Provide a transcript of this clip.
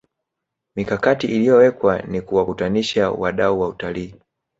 mikakati iliyowekwa ni kuwakutanisha wadau wa utalii